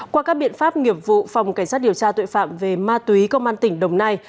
qua các biện pháp nghiệp vụ phòng cảnh sát điều tra tội phạm về ma túy công an tỉnh đồng nai